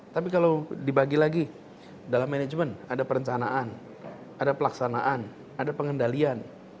tapi kalau dibagi lagi dalam manajemen ada perencanaan ada pelaksanaan ada pengendalian